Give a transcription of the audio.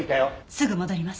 すぐ戻ります。